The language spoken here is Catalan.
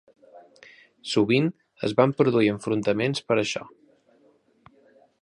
Sovint es van produir enfrontaments per això.